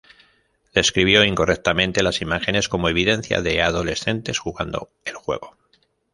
Describió incorrectamente las imágenes como evidencia de adolescentes jugando el juego.